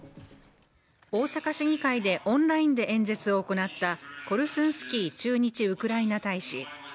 大阪市議会でオンラインで演説を行ったコルスンスキー駐日ウクライナ大使。